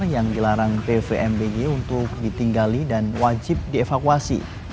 yang dilarang pvmbg untuk ditinggali dan wajib dievakuasi